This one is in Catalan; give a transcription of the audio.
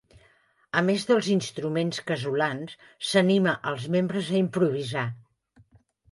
A més dels instruments casolans s'anima els membres a improvisar.